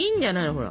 ほら。